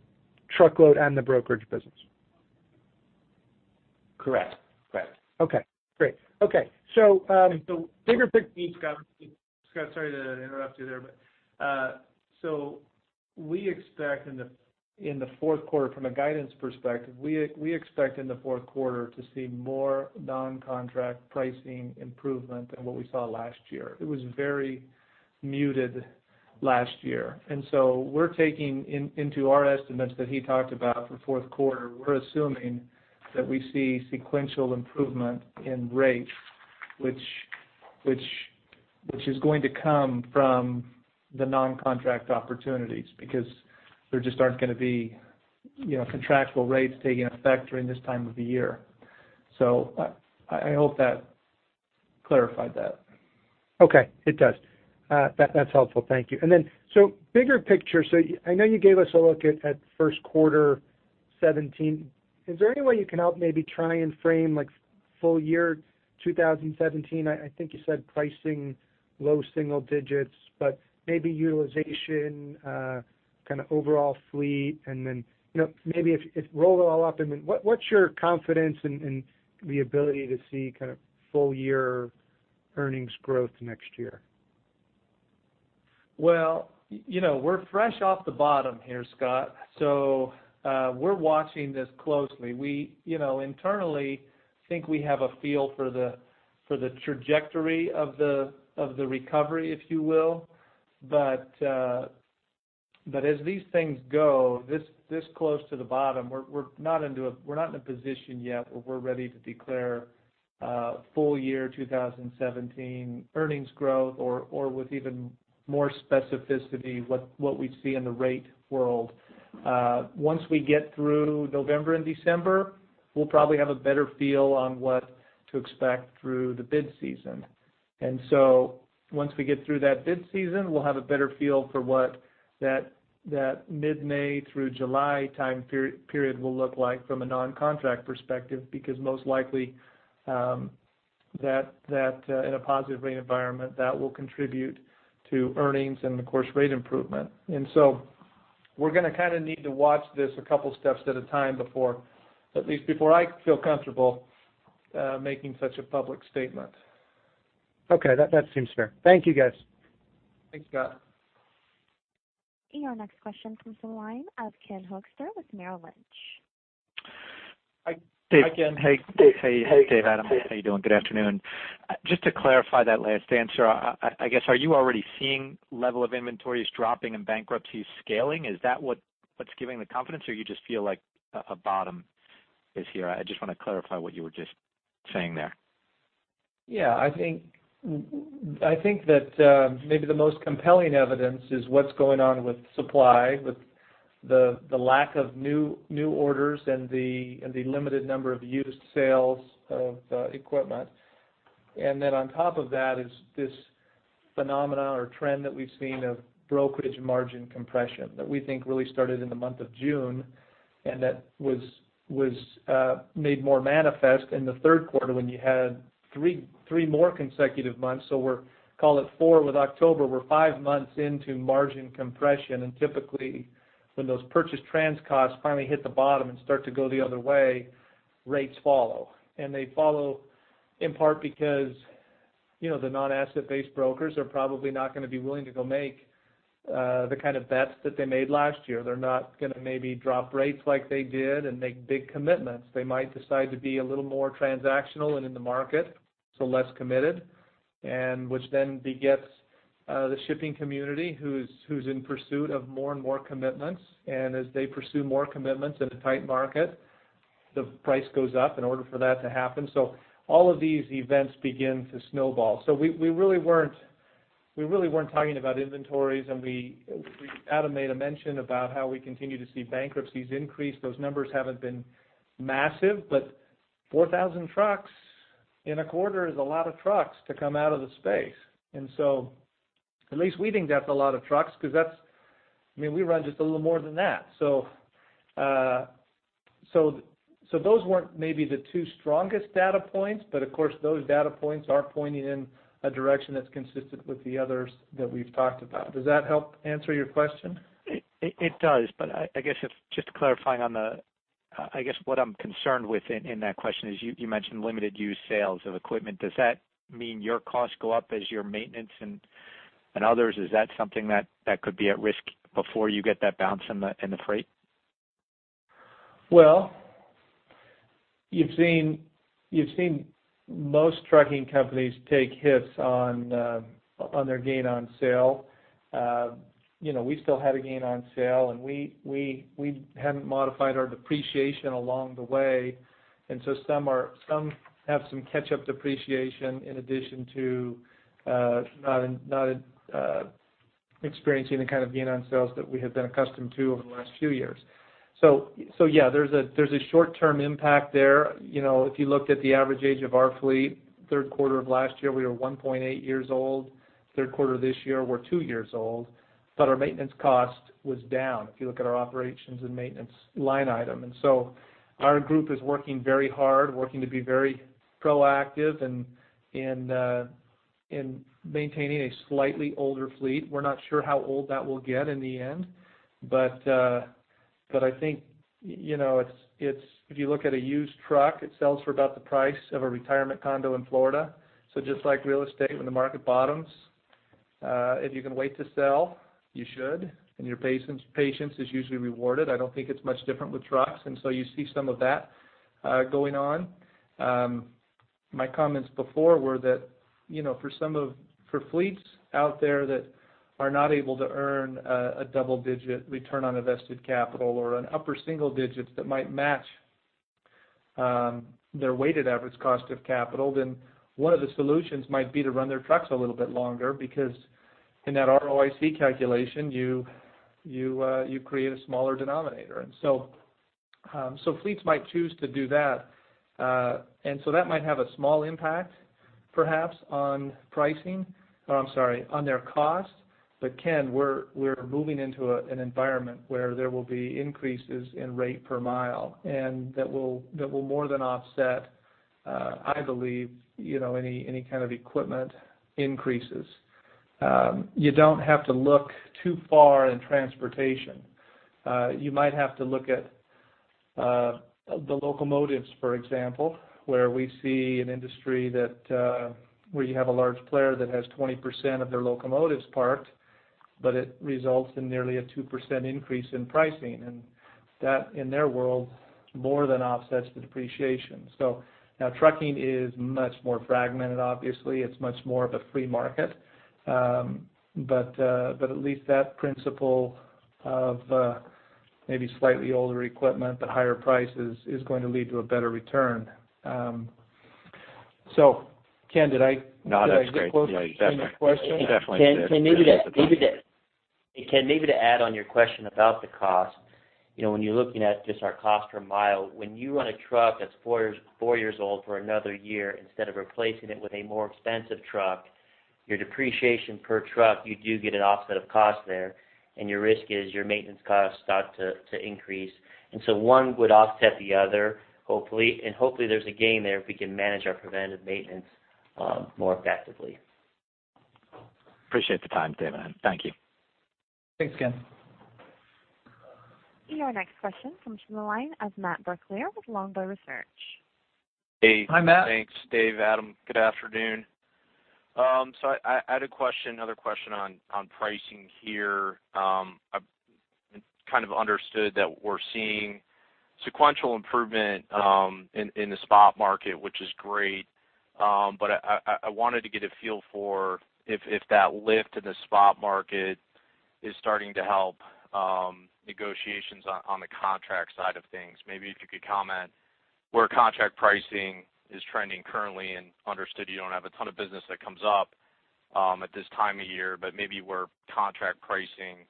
G: truckload and the brokerage business?
B: Correct. Correct.
G: Okay, great. Okay, so, the bigger pic-
C: Scott, Scott, sorry to interrupt you there, but so we expect in the fourth quarter, from a guidance perspective, we expect in the fourth quarter to see more non-contract pricing improvement than what we saw last year. It was very muted last year, and so we're taking into our estimates that he talked about for fourth quarter, we're assuming that we see sequential improvement in rates, which is going to come from the non-contract opportunities, because there just aren't gonna be, you know, contractual rates taking effect during this time of the year. So I hope that clarified that.
G: Okay. It does. That's helpful. Thank you. And then, so bigger picture, so I know you gave us a look at first quarter 2017. Is there any way you can help maybe try and frame, like, full year 2017? I think you said pricing low single digits, but maybe utilization, kind of overall fleet, and then, you know, maybe if roll it all up, and then what's your confidence in the ability to see kind of full year earnings growth next year?
C: Well, you know, we're fresh off the bottom here, Scott, so, we're watching this closely. We, you know, internally think we have a feel for the trajectory of the recovery, if you will. But as these things go, this close to the bottom, we're not in a position yet where we're ready to declare full year 2017 earnings growth, or with even more specificity, what we see in the rate world. Once we get through November and December, we'll probably have a better feel on what to expect through the bid season. And so once we get through that bid season, we'll have a better feel for what that mid-May through July time period will look like from a non-contract perspective, because most likely, that in a positive rate environment, that will contribute to earnings and, of course, rate improvement. And so we're gonna kind of need to watch this a couple steps at a time before, at least before I feel comfortable making such a public statement.
G: Okay, that, that seems fair. Thank you, guys.
C: Thanks, Scott.
A: Our next question comes from the line of Ken Hoexter with Merrill Lynch.
H: Hi, Dave.
C: Hi, Ken.
D: Hey, Dave. Hey, Dave, Adam, how you doing? Good afternoon. Just to clarify that last answer, I guess, are you already seeing level of inventories dropping and bankruptcies scaling? Is that what's giving the confidence, or you just feel like a bottom is here? I just want to clarify what you were just saying there.
C: Yeah, I think, I think that, maybe the most compelling evidence is what's going on with supply, with the lack of new orders and the limited number of used sales of equipment. And then on top of that is this phenomenon or trend that we've seen of brokerage margin compression, that we think really started in the month of June, and that was made more manifest in the third quarter when you had three more consecutive months. So we're, call it four, with October, we're five months into margin compression, and typically, when those purchased trans costs finally hit the bottom and start to go the other way, rates follow. And they follow in part because, you know, the non-asset-based brokers are probably not gonna be willing to go make the kind of bets that they made last year. They're not gonna maybe drop rates like they did and make big commitments. They might decide to be a little more transactional and in the market, so less committed, and which then begets the shipping community, who's in pursuit of more and more commitments. And as they pursue more commitments in a tight market, the price goes up in order for that to happen. So all of these events begin to snowball. We really weren't talking about inventories, and Adam made a mention about how we continue to see bankruptcies increase. Those numbers haven't been massive, but 4,000 trucks in a quarter is a lot of trucks to come out of the space. At least we think that's a lot of trucks, 'cause that's, I mean, we run just a little more than that. So, those weren't maybe the two strongest data points, but of course, those data points are pointing in a direction that's consistent with the others that we've talked about. Does that help answer your question?
I: It does, but I guess, just to clarify on the, I guess, what I'm concerned with in that question is you mentioned limited used sales of equipment. Does that mean your costs go up as your maintenance and others? Is that something that could be at risk before you get that bounce in the freight?
C: Well, you've seen, you've seen most trucking companies take hits on, on their gain on sale. You know, we still had a gain on sale, and we haven't modified our depreciation along the way. And so some have some catch-up depreciation in addition to not experiencing the kind of gain on sales that we have been accustomed to over the last few years. So yeah, there's a short-term impact there. You know, if you looked at the average age of our fleet, third quarter of last year, we were 1.8 years old. Third quarter this year, we're two years old, but our maintenance cost was down, if you look at our operations and maintenance line item. And so our group is working very hard, working to be very proactive in maintaining a slightly older fleet. We're not sure how old that will get in the end, but I think, you know, it's if you look at a used truck, it sells for about the price of a retirement condo in Florida. So just like real estate, when the market bottoms, if you can wait to sell, you should, and your patience is usually rewarded. I don't think it's much different with trucks, and so you see some of that going on. My comments before were that, you know, for fleets out there that are not able to earn a double-digit return on invested capital or an upper single-digits that might match their weighted average cost of capital, then one of the solutions might be to run their trucks a little bit longer, because in that ROIC calculation, you create a smaller denominator. And so, fleets might choose to do that. And so that might have a small impact, perhaps, on pricing, or I'm sorry, on their cost. But Ken, we're moving into an environment where there will be increases in rate per mile, and that will more than offset, I believe, you know, any kind of equipment increases. You don't have to look too far in transportation. You might have to look at the locomotives, for example, where we see an industry that where you have a large player that has 20% of their locomotives parked, but it results in nearly a 2% increase in pricing, and that, in their world, more than offsets the depreciation. So now trucking is much more fragmented. Obviously, it's much more of a free market. But at least that principle of maybe slightly older equipment, but higher prices is going to lead to a better return. So Ken, did I-
H: No, that's great.
C: Did I get close to your question?
H: You definitely did.
B: Hey, Ken, maybe to add on your question about the cost. You know, when you're looking at just our cost per mile, when you run a truck that's four years old for another year, instead of replacing it with a more expensive truck, your depreciation per truck, you do get an offset of cost there, and your risk is your maintenance costs start to increase. And so one would offset the other, hopefully. And hopefully, there's a gain there if we can manage our preventive maintenance more effectively.
H: Appreciate the time, Dave and Adam. Thank you.
C: Thanks, Ken.
A: Your next question comes from the line of Matt Brooklier with Longbow Research.
C: Hey. Hi, Matt.
J: Thanks, Dave, Adam, good afternoon. So I had a question, another question on pricing here. I've kind of understood that we're seeing sequential improvement in the spot market, which is great. But I wanted to get a feel for if that lift in the spot market is starting to help negotiations on the contract side of things. Maybe if you could comment where contract pricing is trending currently, and understood you don't have a ton of business that comes up at this time of year, but maybe where contract pricing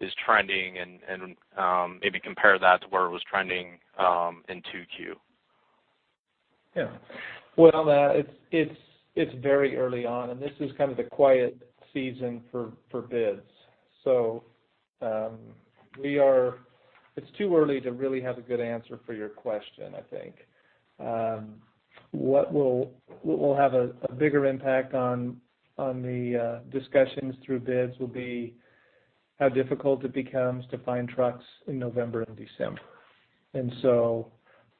J: is trending and maybe compare that to where it was trending in 2Q.
C: Yeah. Well, Matt, it's very early on, and this is kind of the quiet season for bids. So, we are—it's too early to really have a good answer for your question, I think. What will have a bigger impact on the discussions through bids will be how difficult it becomes to find trucks in November and December. And so,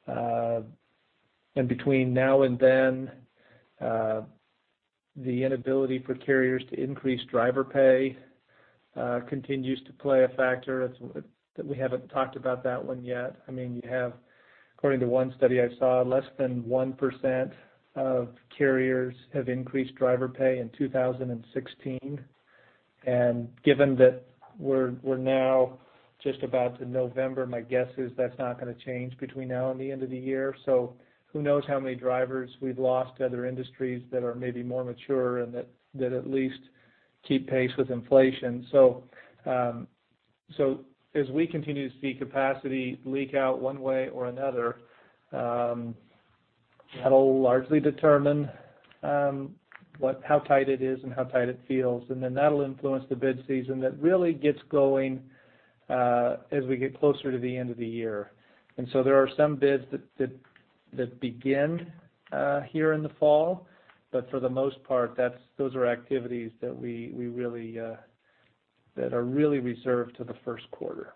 C: and between now and then, the inability for carriers to increase driver pay continues to play a factor. It's that we haven't talked about that one yet. I mean, you have, according to one study I saw, less than 1% of carriers have increased driver pay in 2016. Given that we're now just about to November, my guess is that's not going to change between now and the end of the year. So who knows how many drivers we've lost to other industries that are maybe more mature and that at least keep pace with inflation. So as we continue to see capacity leak out one way or another, that'll largely determine how tight it is and how tight it feels. And then that'll influence the bid season that really gets going as we get closer to the end of the year. And so there are some bids that begin here in the fall, but for the most part, those are activities that are really reserved to the first quarter.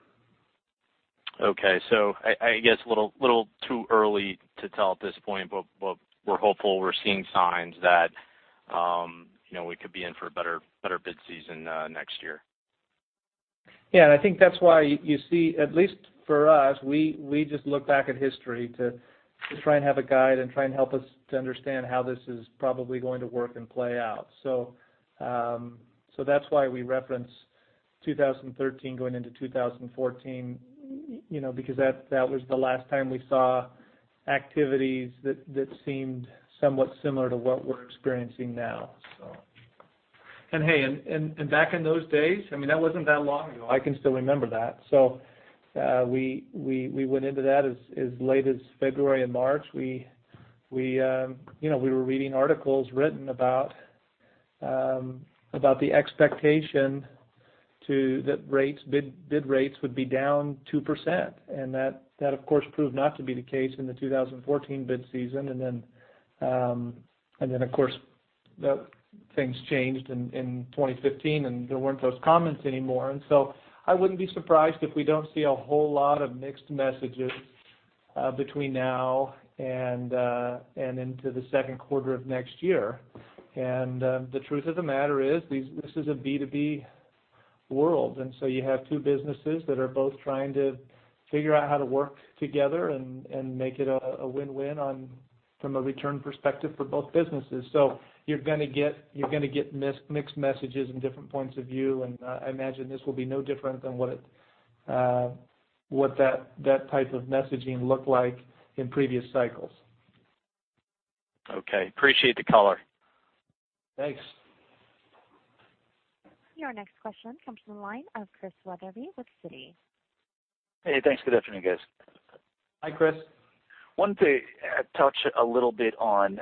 J: Okay. So I guess little too early to tell at this point, but we're hopeful. We're seeing signs that, you know, we could be in for a better bid season next year....
C: Yeah, and I think that's why you, you see, at least for us, we, we just look back at history to, to try and have a guide and try and help us to understand how this is probably going to work and play out. So, so that's why we reference 2013 going into 2014, you know, because that, that was the last time we saw activities that, that seemed somewhat similar to what we're experiencing now, so. And hey, and back in those days, I mean, that wasn't that long ago. I can still remember that. So, we, we went into that as, as late as February and March. We, we, you know, we were reading articles written about, about the expectation that rates, bid, bid rates would be down 2%. And that of course proved not to be the case in the 2014 bid season. And then of course the things changed in 2015, and there weren't those comments anymore. And so I wouldn't be surprised if we don't see a whole lot of mixed messages between now and into the second quarter of next year. And the truth of the matter is, this is a B2B world, and so you have two businesses that are both trying to figure out how to work together and make it a win-win on from a return perspective for both businesses. So you're gonna get, you're gonna get mixed messages and different points of view, and I imagine this will be no different than what that type of messaging looked like in previous cycles.
J: Okay, appreciate the color.
C: Thanks.
A: Your next question comes from the line of Chris Wetherbee with Citi.
K: Hey, thanks. Good afternoon, guys.
C: Hi, Chris.
K: Wanted to touch a little bit on,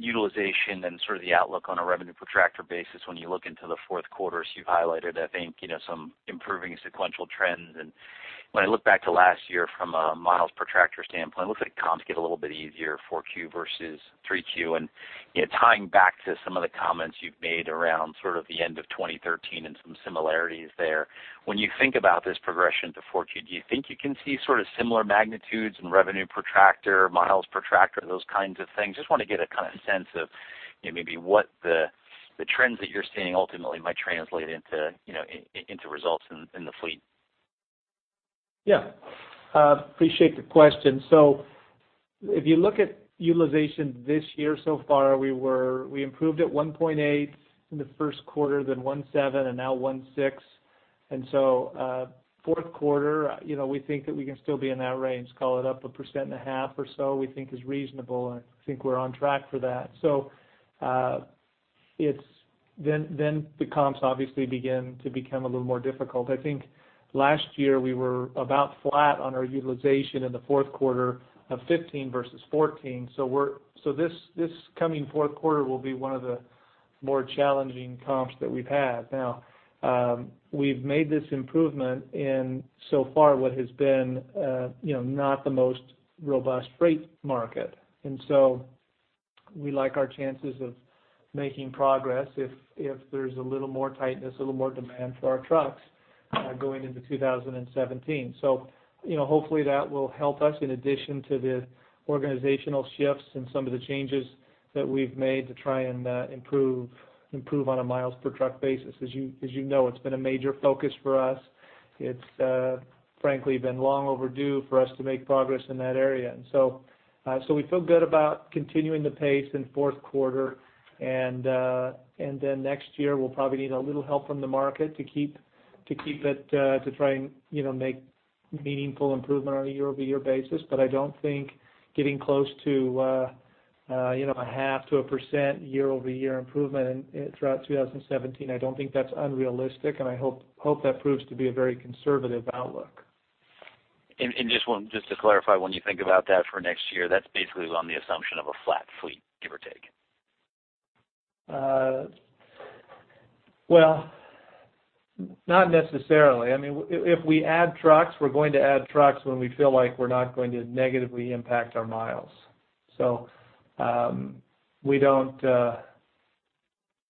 K: utilization and sort of the outlook on a revenue per tractor basis when you look into the fourth quarter, as you've highlighted, I think, you know, some improving sequential trends. And when I look back to last year from a miles per tractor standpoint, it looks like comps get a little bit easier, 4Q versus 3Q. And, you know, tying back to some of the comments you've made around sort of the end of 2013 and some similarities there. When you think about this progression to 4Q, do you think you can see sort of similar magnitudes in revenue per tractor, miles per tractor, those kinds of things? Just want to get a kind of sense of, you know, maybe what the trends that you're seeing ultimately might translate into, you know, into results in the fleet.
C: Yeah. Appreciate the question. So if you look at utilization this year so far, we were... We improved at 1.8 in the first quarter, then 1.7, and now 1.6. And so, fourth quarter, you know, we think that we can still be in that range, call it up 1.5% or so, we think is reasonable, and I think we're on track for that. So, it's, then, then the comps obviously begin to become a little more difficult. I think last year, we were about flat on our utilization in the fourth quarter of 2015 versus 2014. So we're- so this, this coming fourth quarter will be one of the more challenging comps that we've had. Now, we've made this improvement in, so far, what has been, you know, not the most robust freight market. We like our chances of making progress if there's a little more tightness, a little more demand for our trucks, going into 2017. You know, hopefully, that will help us in addition to the organizational shifts and some of the changes that we've made to try and improve on a miles per truck basis. As you know, it's been a major focus for us. It's frankly been long overdue for us to make progress in that area. So we feel good about continuing the pace in fourth quarter, and then next year, we'll probably need a little help from the market to keep it, to try and, you know, make meaningful improvement on a year-over-year basis. But I don't think getting close to, you know, 0.5% to 1% year-over-year improvement in, throughout 2017, I don't think that's unrealistic, and I hope, hope that proves to be a very conservative outlook.
K: Just to clarify, when you think about that for next year, that's basically on the assumption of a flat fleet, give or take?
C: Well, not necessarily. I mean, if we add trucks, we're going to add trucks when we feel like we're not going to negatively impact our miles. So, we don't,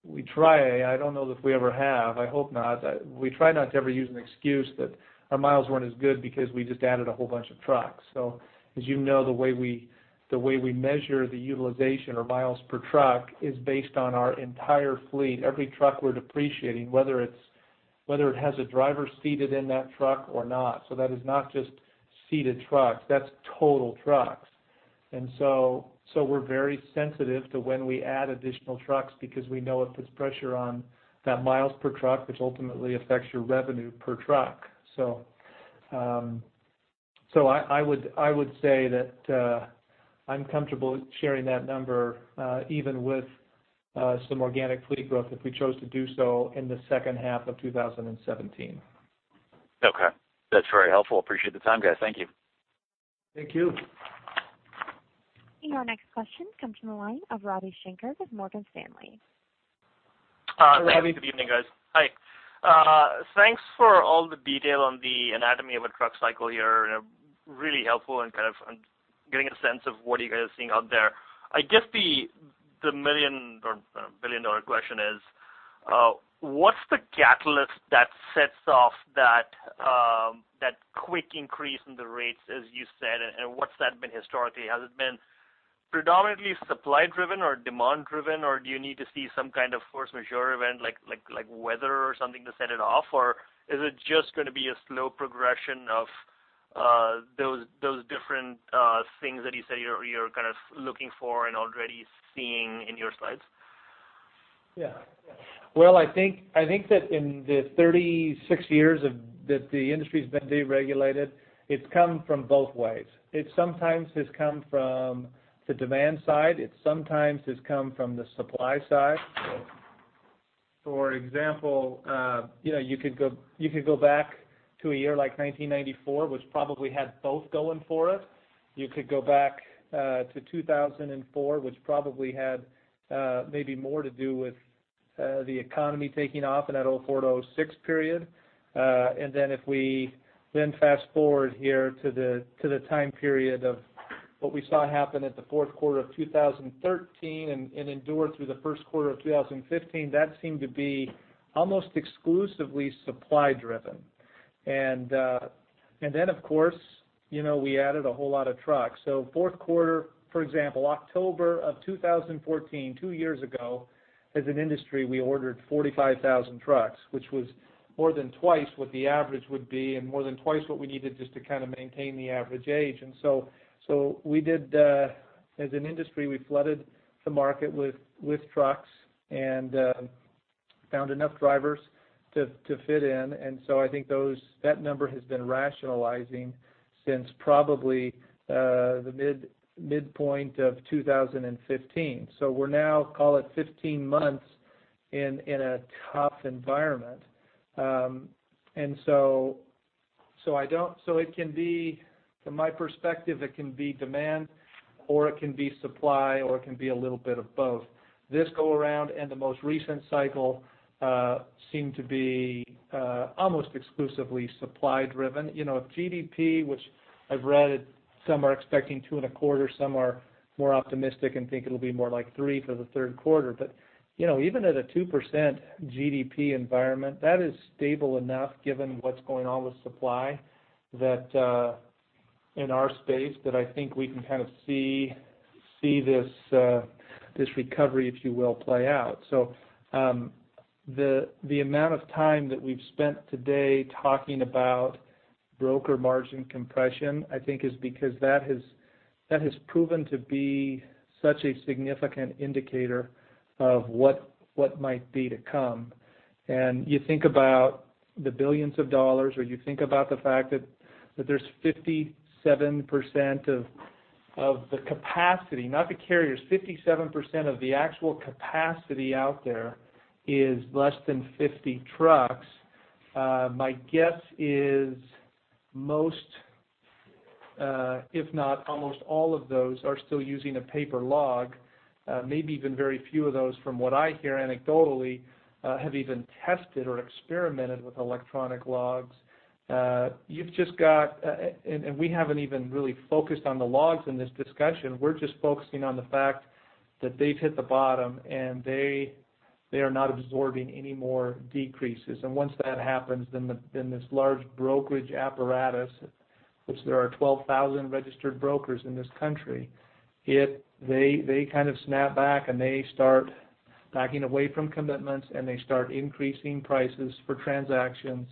C: we try, I don't know if we ever have, I hope not. We try not to ever use an excuse that our miles weren't as good because we just added a whole bunch of trucks. So as you know, the way we, the way we measure the utilization or miles per truck is based on our entire fleet. Every truck we're depreciating, whether it's, whether it has a driver seated in that truck or not. So that is not just seated trucks, that's total trucks. And so, so we're very sensitive to when we add additional trucks because we know it puts pressure on that miles per truck, which ultimately affects your revenue per truck. So, I would say that, I'm comfortable sharing that number, even with some organic fleet growth, if we chose to do so in the second half of 2017.
K: Okay. That's very helpful. Appreciate the time, guys. Thank you.
C: Thank you.
A: Our next question comes from the line of Ravi Shanker with Morgan Stanley.
L: Good evening, guys. Hi, thanks for all the detail on the anatomy of a truck cycle here. Really helpful and kind of getting a sense of what you guys are seeing out there. I guess the million or billion-dollar question is, what's the catalyst that sets off that quick increase in the rates, as you said, and what's that been historically? Has it been predominantly supply-driven or demand-driven, or do you need to see some kind of force majeure event, like weather or something to set it off? Or is it just gonna be a slow progression of those different things that you said you're kind of looking for and already seeing in your slides?
C: Yeah. Well, I think, I think that in the 36 years of, that the industry's been deregulated, it's come from both ways. It sometimes has come from the demand side, it sometimes has come from the supply side. For example, you know, you could go, you could go back to a year like 1994, which probably had both going for it. You could go back to 2004, which probably had maybe more to do with the economy taking off in that 2004 to 2006 period. And then, if we then fast-forward here to the time period of what we saw happen at the fourth quarter of 2013 and endure through the first quarter of 2015, that seemed to be almost exclusively supply-driven. And then, of course, you know, we added a whole lot of trucks. So fourth quarter, for example, October 2014, two years ago, as an industry, we ordered 45,000 trucks, which was more than twice what the average would be and more than twice what we needed just to kind of maintain the average age. And so we did, as an industry, we flooded the market with trucks and found enough drivers to fit in. And so I think that number has been rationalizing since probably the midpoint of 2015. So we're now, call it 15 months in, in a tough environment. So it can be, from my perspective, it can be demand, or it can be supply, or it can be a little bit of both. This go-around and the most recent cycle seem to be almost exclusively supply-driven. You know, if GDP, which I've read, some are expecting 2.25, some are more optimistic and think it'll be more like three for the third quarter. But, you know, even at a 2% GDP environment, that is stable enough, given what's going on with supply, that in our space, that I think we can kind of see this recovery, if you will, play out. So, the amount of time that we've spent today talking about broker margin compression, I think is because that has proven to be such a significant indicator of what might be to come. And you think about the billions of dollars, or you think about the fact that there's 57% of the capacity, not the carriers, 57% of the actual capacity out there is less than 50 trucks. My guess is most, if not, almost all of those are still using a paper log, maybe even very few of those, from what I hear anecdotally, have even tested or experimented with electronic logs. You've just got. And we haven't even really focused on the logs in this discussion. We're just focusing on the fact that they've hit the bottom, and they are not absorbing any more decreases. And once that happens, then this large brokerage apparatus, which there are 12,000 registered brokers in this country, they kind of snap back, and they start backing away from commitments, and they start increasing prices for transactions.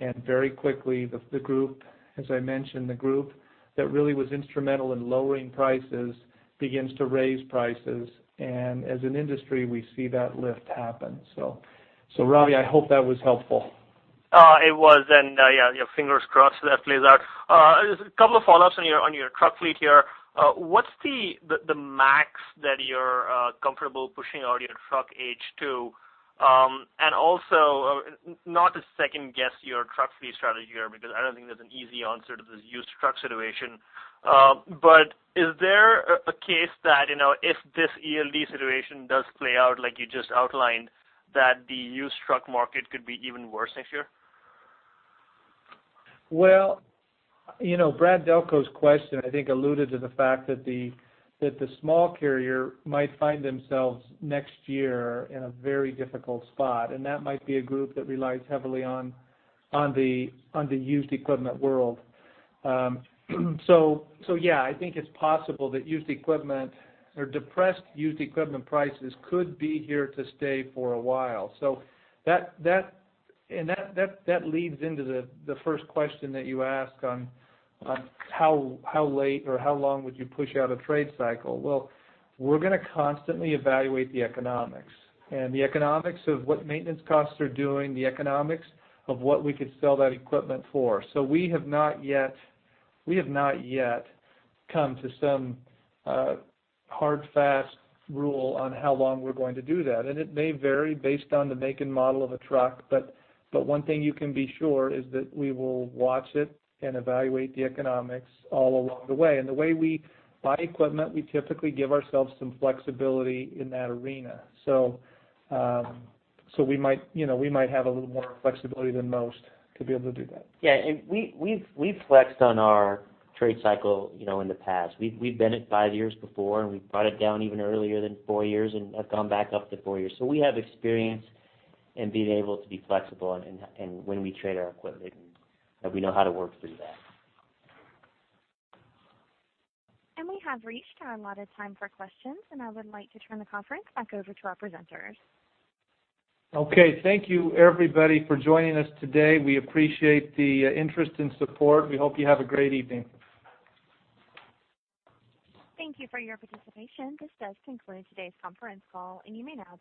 C: And very quickly, the group, as I mentioned, the group that really was instrumental in lowering prices, begins to raise prices, and as an industry, we see that lift happen. So, Ravi, I hope that was helpful.
L: It was, and yeah, yeah, fingers crossed that plays out. Just a couple of follow-ups on your truck fleet here. What's the max that you're comfortable pushing out your truck age to? And also, not to second-guess your truck fleet strategy here, because I don't think there's an easy answer to this used truck situation. But is there a case that, you know, if this ELD situation does play out like you just outlined, that the used truck market could be even worse next year?
C: Well, you know, Brad Delco's question, I think, alluded to the fact that the small carrier might find themselves next year in a very difficult spot, and that might be a group that relies heavily on the used equipment world. So, yeah, I think it's possible that used equipment or depressed used equipment prices could be here to stay for a while. So that leads into the first question that you asked on how late or how long would you push out a trade cycle? Well, we're gonna constantly evaluate the economics, and the economics of what maintenance costs are doing, the economics of what we could sell that equipment for. So we have not yet come to some hard, fast rule on how long we're going to do that. And it may vary based on the make and model of a truck, but one thing you can be sure is that we will watch it and evaluate the economics all along the way. And the way we buy equipment, we typically give ourselves some flexibility in that arena. So, so we might, you know, we might have a little more flexibility than most to be able to do that.
B: Yeah, and we've flexed on our trade cycle, you know, in the past. We've been at five years before, and we've brought it down even earlier than four years and have gone back up to four years. So we have experience in being able to be flexible and when we trade our equipment, and we know how to work through that.
A: We have reached our allotted time for questions, and I would like to turn the conference back over to our presenters.
C: Okay, thank you, everybody, for joining us today. We appreciate the interest and support. We hope you have a great evening.
A: Thank you for your participation. This does conclude today's conference call, and you may now disconnect.